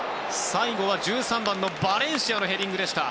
最後は１３番のバレンシアのヘディングでした。